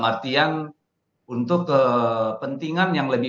artian untuk kepentingan yang lebih